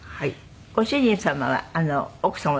ご主人様は奥様のどこが。